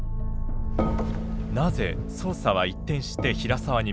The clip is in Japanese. なぜ捜査は一転して平沢に向かったのか。